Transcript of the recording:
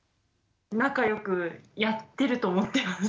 仲良くやってると思ってます。